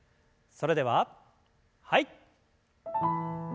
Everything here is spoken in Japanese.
それでははい。